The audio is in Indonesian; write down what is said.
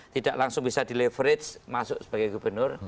tidak langsung bisa di leverage masuk sebagai gubernur